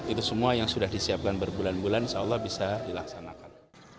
itu semua yang sudah disiapkan berbulan bulan insya allah bisa dilaksanakan